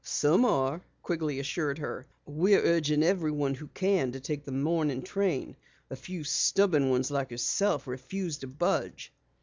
"Some are," Quigley assured her. "We're urging everyone who can to take the morning train. A few stubborn ones like yourself refuse to budge."